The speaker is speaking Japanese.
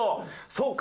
そうか。